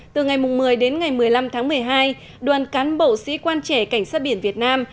từ ngày một mươi đến ngày một mươi năm tháng một mươi hai đoàn cán bộ sĩ quan trẻ cảnh sát biển việt nam